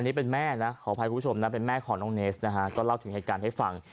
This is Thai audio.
นี่เป็นแม่นะขออภัยคุณผู้ชมนะเป็นแม่ของน้องเนสนะฮะก็เล่าถึงเหตุการณ์ให้ฟัง